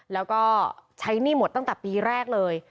แล้วก็ใช้หนี้หมดตั้งแต่ปีแรกเลย